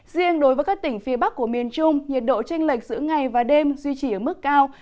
riêng đối với các tỉnh phía bắc của miền trung nhiệt độ tranh lệch giữa ngày và đêm duy trì ở mức cao